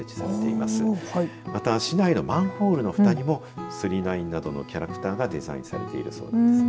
また市内のマンホールのふたにも９９９などのキャラクターがデザインされているそうですね。